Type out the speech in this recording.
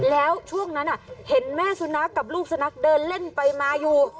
แล้วช่วงนั้นเห็นแม่สุนัขกับลูกสุนัขเดินเล่นไปมาอยู่